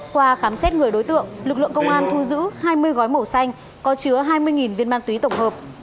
qua khám xét người đối tượng lực lượng công an thu giữ hai mươi gói màu xanh có chứa hai mươi viên ma túy tổng hợp